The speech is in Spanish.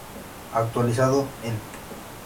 Actualizado el